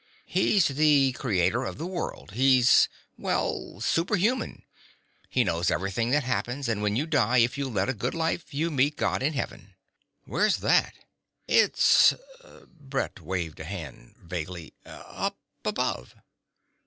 "He's the creator of the world. He's ... well, superhuman. He knows everything that happens, and when you die, if you've led a good life, you meet God in Heaven." "Where's that?" "It's ..." Brett waved a hand vaguely, "up above."